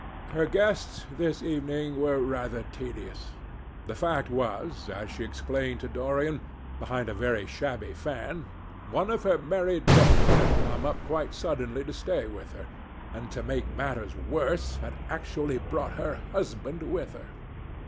Her guests this evening were rather tedious. The fact was, as she explained to Dorian, behind a very shabby fan, one of her married daughters had come up quite suddenly to stay with her, and, to make matters worse, had actually brought her husband with her.